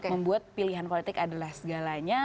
membuat pilihan politik adalah segalanya